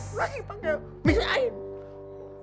lu masih pake bisain